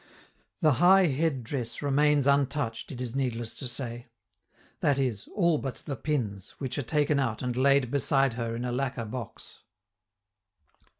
The high head dress remains untouched, it is needless to say that is, all but the pins, which are taken out and laid beside her in a lacquer box.